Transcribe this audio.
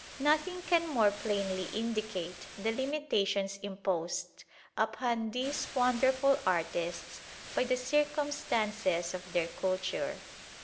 Nothing can more plainly indicate the limitations imposed upon these wonderful artists by the circumstances of their culture.